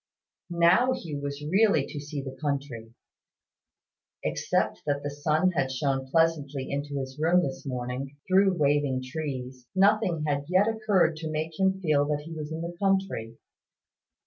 Now Hugh was really to see the country. Except that the sun had shone pleasantly into his room in the morning, through waving trees, nothing had yet occurred to make him feel that he was in the country.